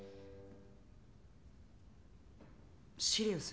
シリウス？